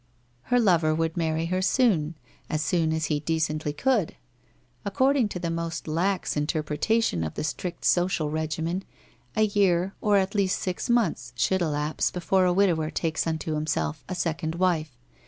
Her lover would marry her soon, as soon as he decently could. According to the most lax interpretation of the strict social regimen, a year, or at least six months, should elapse before a widower takes unto himself a second wife.